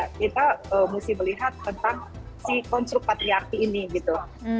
kita mesti melihat tentang si konstruk patriarki ini gitu